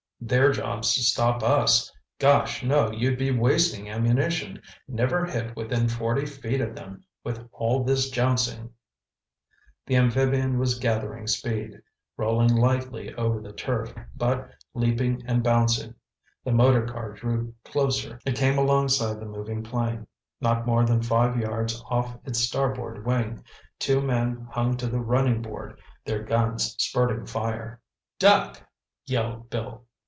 "Their job's to stop us. Gosh, no, you'd be wasting ammunition—never hit within forty feet of them with all this jouncing." The amphibian was gathering speed, rolling lightly over the turf, but, leaping and bouncing, the motor car drew closer. It came alongside the moving plane, not more than five yards off its starboard wing. Two men hung to the running board, their guns spurting fire. "Duck!" yelled Bill.